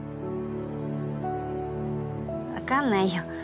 分かんないよ。